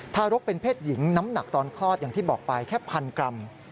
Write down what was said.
ทารกเป็นเพศหญิงน้ำหนักตอนคลอดอย่างที่บอกไปแค่พันกรัม